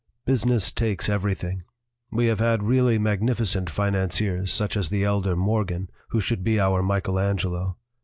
" Business takes everything. We have had really magnificent financiers, such as the elder Morgan, who should be our Michael Angelo.